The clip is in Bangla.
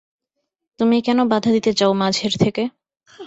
তুমি কেন বাধা দিতে যাও মাঝের থেকে।